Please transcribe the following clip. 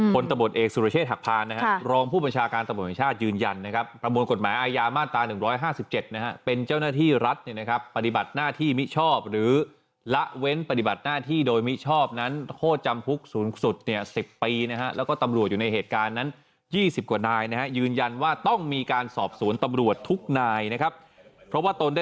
พบร่องรอยการทำลายพยานหลักฐานเช็ดคราบเลือด